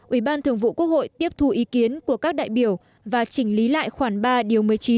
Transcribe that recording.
ủy ban thường vụ quốc hội tiếp thu ý kiến của các đại biểu và chỉnh lý lại khoản ba điều một mươi chín